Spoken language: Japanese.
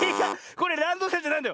これランドセルじゃないんだよ。